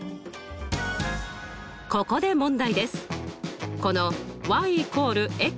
ここで問題です。